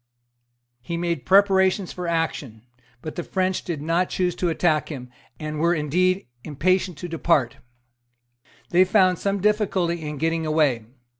He made preparations for action; but the French did not choose to attack him, and were indeed impatient to depart. They found some difficulty in getting away.